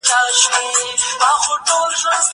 زه له سهاره د کتابتوننۍ سره خبري کوم!